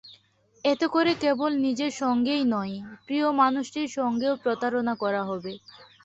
এতে করে কেবল নিজের সঙ্গেই নয়, প্রিয় মানুষটির সঙ্গেও প্রতারণা করা হবে।